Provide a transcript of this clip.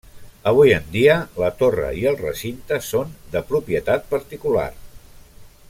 Avui en dia la torre i el recinte són de propietat particular.